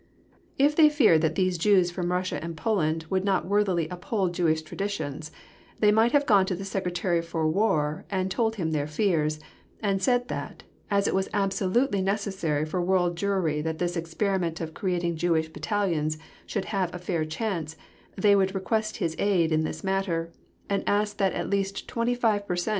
If they feared that these Jews from Russia and Poland would not worthily uphold Jewish traditions, they might have gone to the Secretary for War and told him their fears, and said that, as it was absolutely necessary for world Jewry that this experiment of creating Jewish Battalions should have a fair chance, they would request his aid in this matter, and ask that at least twenty five per cent.